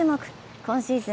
今シーズン